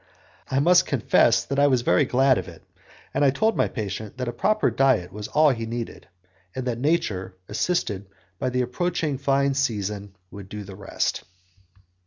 I must confess that I was very glad of it, and I told my patient that a proper diet was all he needed, and that nature, assisted by the approaching fine season, would do the rest.